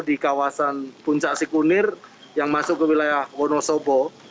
di kawasan puncak sikunir yang masuk ke wilayah wonosobo